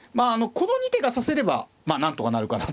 この２手が指せればまあなんとかなるかな。